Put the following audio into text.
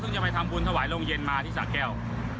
เพิ่งจะไปทำบุญถวายโรงเย็นมาที่สาขาแก้ว